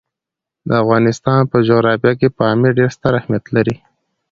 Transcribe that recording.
د افغانستان په جغرافیه کې پامیر ډېر ستر اهمیت لري.